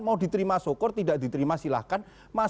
mau diterima sokor tidak diterima silahkan